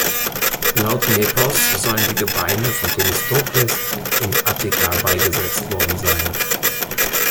Laut Nepos sollen die Gebeine von Themistokles in Attika beigesetzt worden sein.